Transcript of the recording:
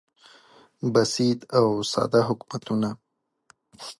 بسیط او ساده حکومتونه